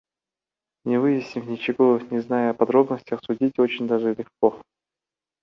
Не выяснив ничего, не зная о подробностях судить очень даже легко.